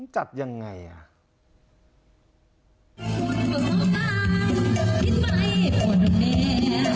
จัดยังไงอ่ะ